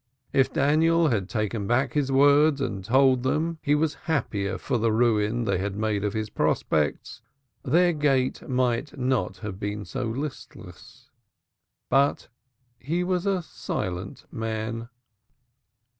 If Daniel had taken back his words and told them he was happier for the ruin they had made of his prospects, their gait might not have been so listless. But he was a silent man.